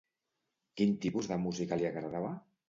Quin tipus de música li agradava?